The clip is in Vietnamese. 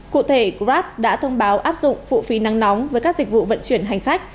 cụ thể grab đã thông báo áp dụng phụ phí nắng nóng với các dịch vụ vận chuyển hành khách